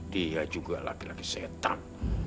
dia juga laki laki setan